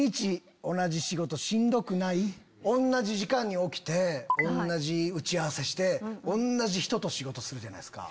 同じ時間に起きて同じ打ち合わせして同じ人と仕事するじゃないですか。